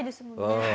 うん。